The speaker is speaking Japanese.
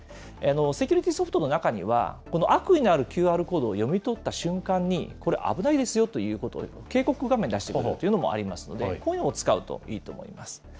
セキュリティーソフトの中には、悪意のあるＱＲコードを読み取った瞬間に、これ、危ないですよということで、警告画面出してくれるというのもありますので、こういうのを使うといいと思います。